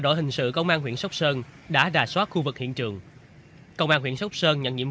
đội hình sự công an huyện sóc sơn đã đà soát khu vực hiện trường công an huyện sóc sơn nhận nhiệm